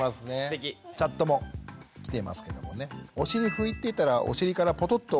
チャットも来ていますけどもね。